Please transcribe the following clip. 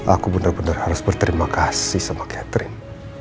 aku bener bener harus berterima kasih sama catherine